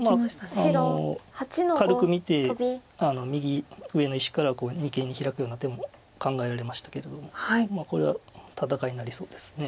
軽く見て右上の石から二間にヒラくような手も考えられましたけれどもこれは戦いになりそうです。